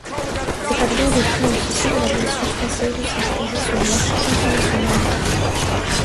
Cet avion répond au souci de l’aviation française de s’imposer sur le marché international.